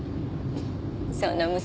そんな娘